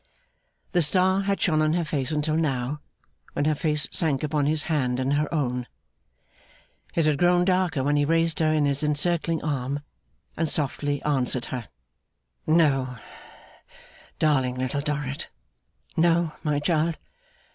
The star had shone on her face until now, when her face sank upon his hand and her own. It had grown darker when he raised her in his encircling arm, and softly answered her. 'No, darling Little Dorrit. No, my child.